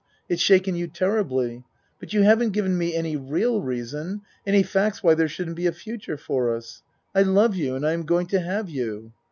It's shaken you terribly, but you haven't given me any real reason any facts why there shouldn't be a future for us. I love you and I am going to have you.